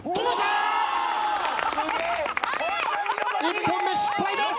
１本目失敗です。